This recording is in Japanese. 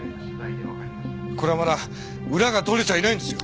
これはまだ裏が取れちゃいないんですよ！